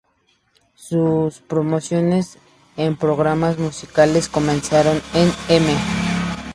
Sus promociones en programas musicales comenzaron en "M!